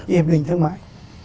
hiệp định thương mại